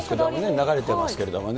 流れてますけどね。